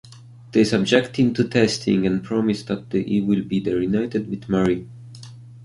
They subject him to testing, and promise that he will be reunited with Marie.